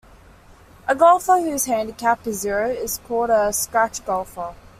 A golfer whose handicap is zero is called a scratch golfer.